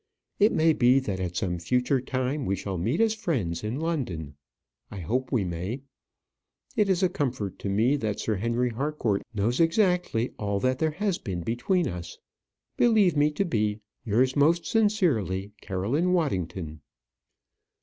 It may be that at some future time we shall meet as friends in London. I hope we may. It is a comfort to me that Sir Henry Harcourt knows exactly all that there has been between us. Believe me to be, Yours most sincerely, CAROLINE WADDINGTON.